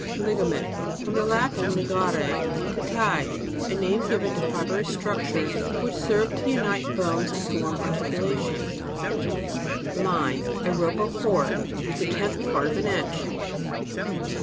LIGAMENT. From the Latin ligare, to tie. A name given to fibrous struc tures, which serve to unite bones, and form articulations. LINE. A rope, or cord. The tenth part of an inch.